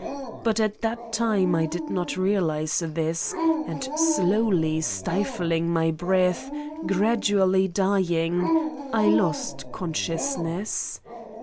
But at that time I did not realize this and slowly stifling, my breath gradu ally dying, I lost consciousness.